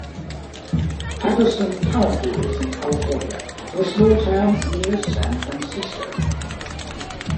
Pattison currently lives in California, in a small town near San Francisco.